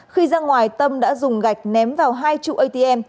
khi ra ngoài tâm đã dùng gạch ném vào hai trụ atm